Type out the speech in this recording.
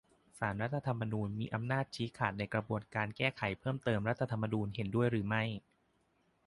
ศาลรัฐธรรมนูญมีอำนาจชี้ขาดในกระบวนการแก้ไขเพิ่มเติมรัฐธรรมนูญ เห็นด้วยหรือไม่ ?